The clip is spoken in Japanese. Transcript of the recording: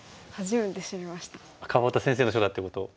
川端先生の書だってことを？